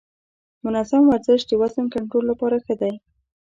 منظم ورزش د وزن کنټرول لپاره ښه دی.